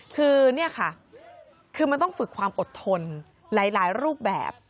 คือเนี่ยค่ะคือมันต้องฝึกความอดทนหลายรูปแบบ